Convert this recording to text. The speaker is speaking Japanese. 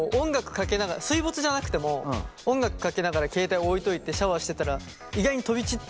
水没じゃなくても音楽かけながら携帯置いといてシャワーしてたら意外に飛び散って。